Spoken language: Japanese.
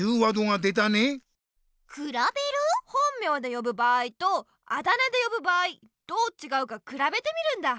本名でよぶ場合とあだ名でよぶ場合どうちがうかくらべてみるんだ。